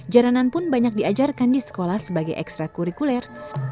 jaranan pun banyak diajarkan di sekolah sebagai ekstra kurikuler